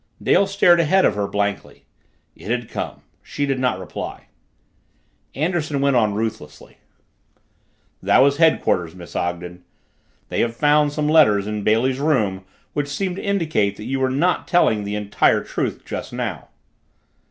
Dale stared ahead of her blankly. It had come! She did not reply. Anderson went on ruthlessly. "That was headquarters, Miss Ogden. They have found some letters in Bailey's room which seem to indicate that you were not telling the entire truth just now."